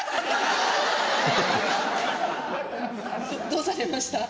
どうされました？